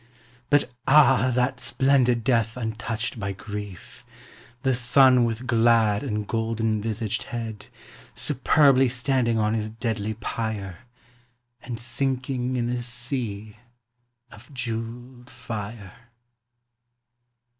But ah! that splendid death untouched by grief: The sun with glad and golden visaged head Superbly standing on his deadly pyre, And sinking in a sea of jewelled fire!